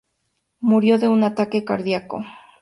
Murió de un ataque cardíaco.